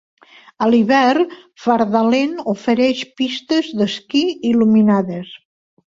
A l'hivern, Fardalen ofereix pistes d'esquí il·luminades.